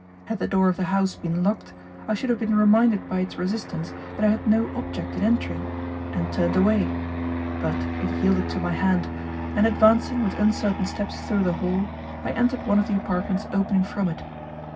Had the door of the house been locked, I should have been reminded by its resistance that I had no object in entering, and turned away, but it yielded to my hand, and advancing with uncertain steps through the hall, I entered one of the apartments opening from it.